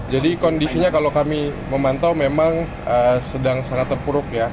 jadi kondisinya kalau kami memantau memang sedang sangat terpuruk ya